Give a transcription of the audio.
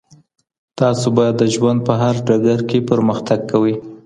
تاسو به د ژوند په هر ډګر کي پرمختګ کوئ.